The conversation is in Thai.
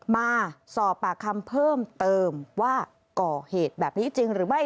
มาสอบปากคำเพิ่มเติมว่าก่อเหตุแบบนี้จริงหรือไม่